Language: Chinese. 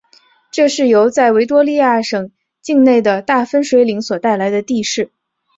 这是由在维多利亚省境内的大分水岭所带来的地势。